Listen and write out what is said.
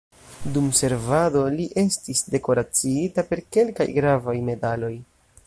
Dum servado li estis dekoraciita per kelkaj gravaj medaloj.